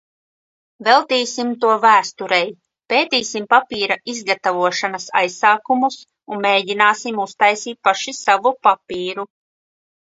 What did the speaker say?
Veltīsim to vēsturei. Pētīsim papīra izgatavošanas aizsākumus un mēģināsim uztaisīt paši savu papīru.